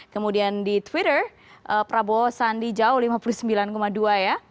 kemudian di twitter prabowo sandi jauh lima puluh sembilan dua ya